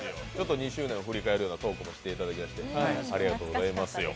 ２周年を振りかえるようなトークもしていただきましてありがとうございます。